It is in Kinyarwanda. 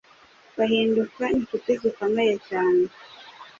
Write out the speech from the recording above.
bahinduka inshuti zikomeye cyane